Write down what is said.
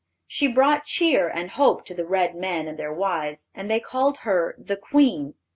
She brought cheer and hope to the red men and their wives, and they called her "the Queen."